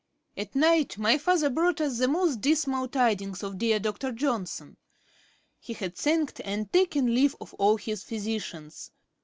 At night my father brought us the most dismal tidings of dear Dr. Johnson. He had thanked and taken leave of all his physicians.